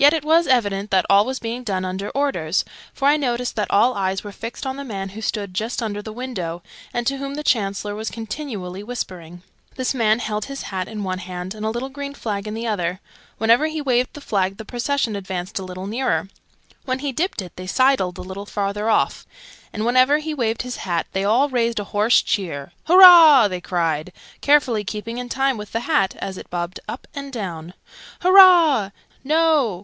Yet it was evident that all was being done under orders, for I noticed that all eyes were fixed on the man who stood just under the window, and to whom the Chancellor was continually whispering. This man held his hat in one hand and a little green flag in the other: whenever he waved the flag the procession advanced a little nearer, when he dipped it they sidled a little farther off, and whenever he waved his hat they all raised a hoarse cheer. "Hoo roah!" they cried, carefully keeping time with the hat as it bobbed up and down. "Hoo roah! Noo!